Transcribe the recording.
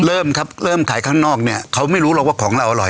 เริ่มครับเริ่มขายข้างนอกเนี่ยเขาไม่รู้หรอกว่าของเราอร่อย